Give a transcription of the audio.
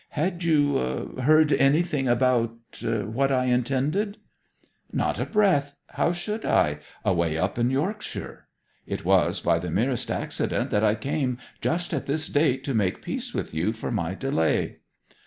Had you heard anything about what I intended?' 'Not a breath how should I away up in Yorkshire? It was by the merest accident that I came just at this date to make peace with you for my delay.'